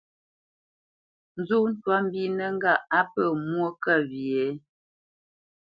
Nzó twâ mbínə́ ŋgâʼ á pə̂ mwô kə wye ?